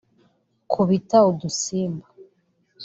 kubita udusimba